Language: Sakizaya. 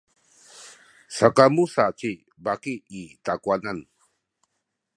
sakamu sa ci baki i takuwanan.